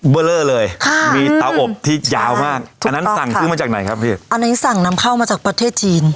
เบอร์เลอร์เลยค่ะมีเตาอบที่ยาวมากอันนั้นสั่งซื้อมาจากไหนครับพี่อันไหนสั่งนำเข้ามาจากประเทศจีน